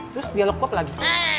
terus dia lekop lagi